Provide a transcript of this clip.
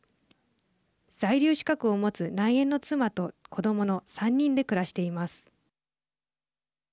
在留資格を持つ内縁の妻と子どもの３人で暮らしています。